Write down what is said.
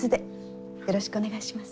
よろしくお願いします。